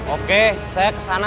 oke saya kesana